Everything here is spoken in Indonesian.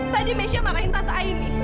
tadi mesya marahin tante aini